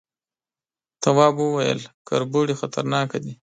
تواب وويل، کربوړي خطرناکه دي.